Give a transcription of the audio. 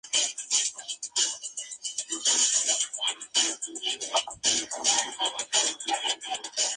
Incluso había mercenarios que combatían en las filas espartanas.